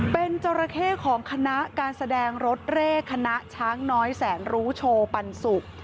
เป็นจราเข้ของคณะการแสดงรถเร่คณะช้างน้อยแสนรู้โชว์ปันสุก